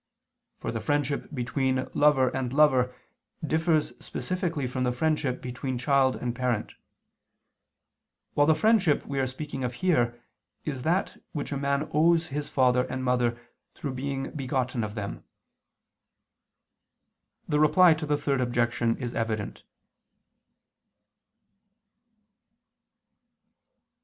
For the friendship between lover and lover differs specifically from the friendship between child and parent: while the friendship we are speaking of here, is that which a man owes his father and mother through being begotten of them. The Reply to the Third Objection is evident.